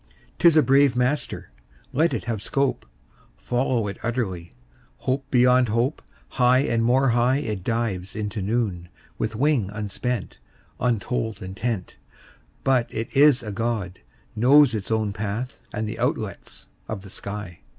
'Tis a brave master; Let it have scope: Follow it utterly, Hope beyond hope: High and more high It dives into noon, With wing unspent, Untold intent; But it is a God, Knows its own path And the outlets of the sky.